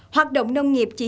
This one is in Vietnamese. hoạt động nông nghiệp